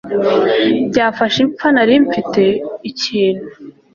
byafasha ipfa nari mfite ikintu